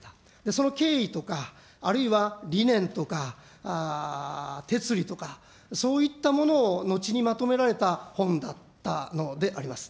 その経緯とか、あるいは、理念とか哲理とか、そういったものを後にまとめられた本だったのであります。